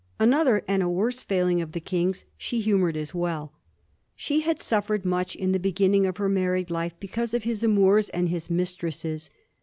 Another and a worse failing of the King's she humoured as well. She had suffered much in the beginning of her mar ried life because of his amours and his mistresses.